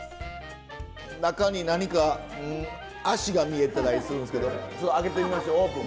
中に何か脚が見えてたりするんですけど開けてみましょうオープン。